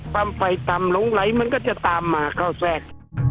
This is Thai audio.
ความไฟต่ำหลงไหลมันก็จะตามมาเข้าแทรก